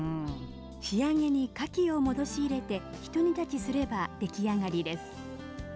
仕上げにかきを戻し入れてひと煮立ちすれば出来上がりです。